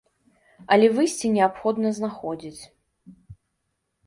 Але выйсце неабходна знаходзіць.